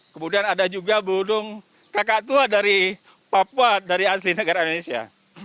kemudian ada juga burung kakak tua dari papua dari asli negara indonesia